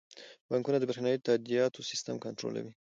بانکونه د بریښنايي تادیاتو سیستم کنټرولوي.